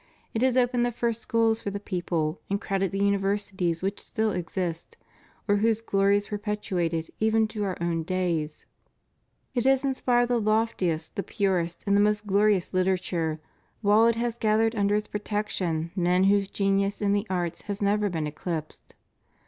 It has opened the first schools for the people and crowded the universities which still exist, or whose glory is perpetuated even to our own days. It has inspired the loftiest, the purest, and the most glorious literature, while it has gathered under its protection men whose genius in the arts has never been eclipsed.